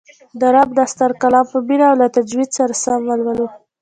د رب دا ستر کلام په مینه او له تجوید سره سم ولولو